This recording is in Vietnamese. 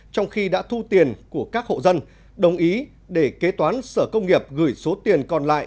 trong khi đã thu tiền của các hộ dân đồng ý để kế toán sở công nghiệp gửi số tiền còn lại